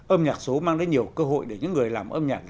âm nhạc số mang đến nhiều cơ hội để những người làm âm nhạc